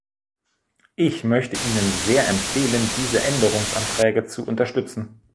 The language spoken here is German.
Ich möchte Ihnen sehr empfehlen, diese Änderungsanträge zu unterstützen.